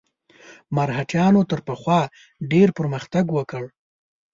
مرهټیانو تر پخوا ډېر پرمختګ وکړ.